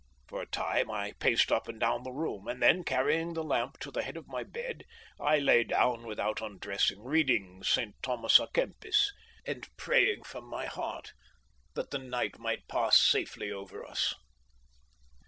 For a time I paced up and down the room, and then, carrying the lamp to the head of my bed, I lay down without undressing, reading St. Thomas a Kempis, and praying from my heart that the night might pass safely over us.